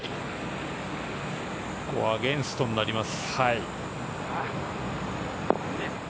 ここはアゲンストになります。